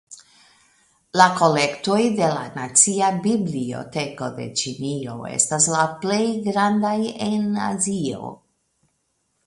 La kolektoj de la nacia biblioteko de Ĉinio estas la plej grandaj en Azio.